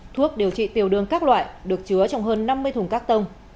thuốc điều trị tiểu đường các loại được chứa trong hơn năm mươi thùng các tông